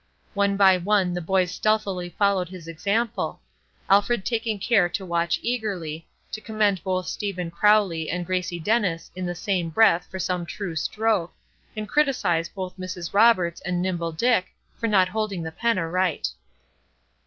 One by one the boys stealthily followed his example; Alfred taking care to watch eagerly, to commend both Stephen Crowley and Gracie Dennis in the same breath for some true stroke, and criticise both Mrs. Roberts and Nimble Dick for not holding the pen aright.